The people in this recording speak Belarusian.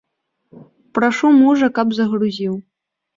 Прашу мужа, каб загрузіў.